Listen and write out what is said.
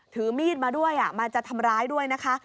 ถือมีดมาด้วยมาจะทำร้ายด้วยนะคะ